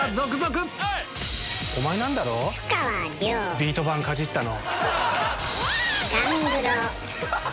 ビート板かじったの。